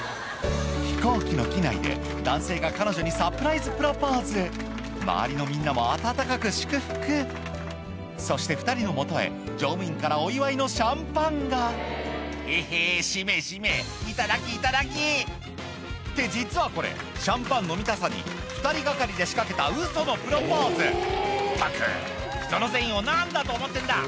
飛行機の機内で男性が彼女にサプライズプロポーズ周りのみんなも温かく祝福そして２人のもとへ乗務員からお祝いのシャンパンが「ヘヘしめしめいただきいただき」って実はこれシャンパン飲みたさに２人がかりで仕掛けたウソのプロポーズったくひとの善意を何だと思ってんだ！